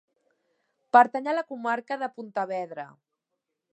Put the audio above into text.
Pertany a la Comarca de Pontevedra.